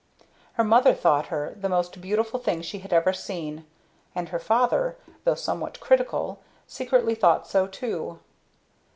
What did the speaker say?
Her mother thought her the most beautiful thing she had ever seen; and her father, though somewhat critical, secretly thought so, too.